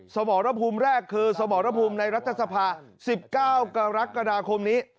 สมรภูมิแรกคือสมรภูมิในรัฐสภา๑๙กรกฎาคมนี้